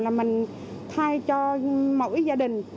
là mình thay cho mỗi gia đình